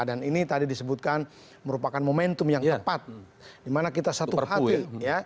dan ini tadi disebutkan merupakan momentum yang tepat dimana kita satu hati